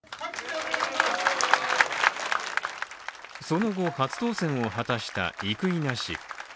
その後、初当選を果たした生稲氏。